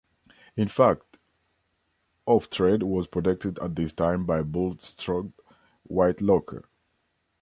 In fact, Oughtred was protected at this time by Bulstrode Whitelocke.